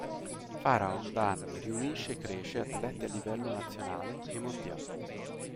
Pharaon da anni riunisce e cresce atleti a livello Nazionale e Mondiale.